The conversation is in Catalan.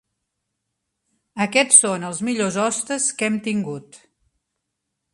Aquests són els millors hostes que hem tingut.